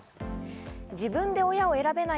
自分で親を選べない。